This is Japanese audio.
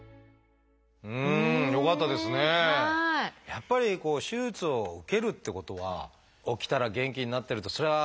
やっぱり手術を受けるってことは起きたら元気になってるとそりゃあ